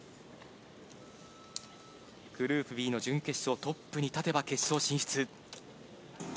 グループＢの準決勝、トップに立てば決勝進出。